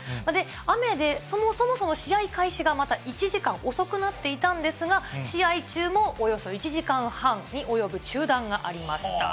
雨で、そもそも試合開始が、また１時間遅くなっていたんですが、試合中もおよそ１時間半に及ぶ中断がありました。